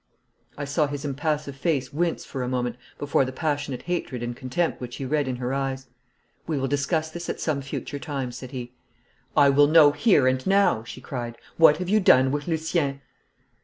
I saw his impassive face wince for a moment before the passionate hatred and contempt which he read in her eyes. 'We will discuss this at some future time,' said he. 'I will know here and now,' she cried. 'What have you done with Lucien?'